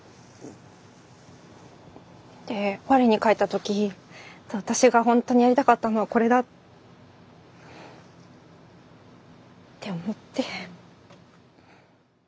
でわれに返った時私が本当にやりたかったのはこれだ。って思って。